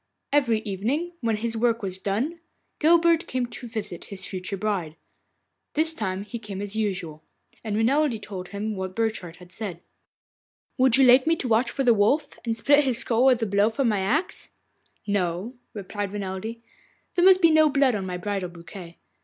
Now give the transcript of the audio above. Every evening, when his work was done, Guilbert came to visit his future bride. This evening he came as usual, and Renelde told him what Burchard had said. 'Would you like me to watch for the Wolf, and split his skull with a blow from my axe?' 'No,' replied Renelde, 'there must be no blood on my bridal bouquet.